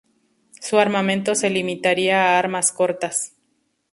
Su armamento se limitaría a armas cortas.